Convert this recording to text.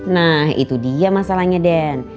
nah itu dia masalahnya den